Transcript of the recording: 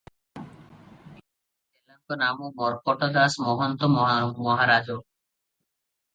ଏ ଚେଲାଙ୍କ ନାମ ମର୍କଟ ଦାସ ମହନ୍ତ ମହାରାଜ ।